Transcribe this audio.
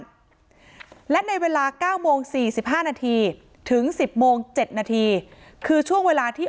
และในเวลา๙โมง๔๕นาทีถึงสิบโมงเจ็ดนาทีคือช่วงเวลาที่